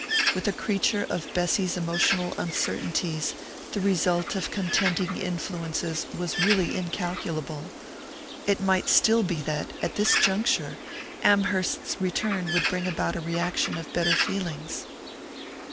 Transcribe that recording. With a creature of Bessy's emotional uncertainties the result of contending influences was really incalculable it might still be that, at this juncture, Amherst's return would bring about a reaction of better feelings....